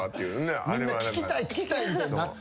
みんな「聞きたい聞きたい」みたいになってるから。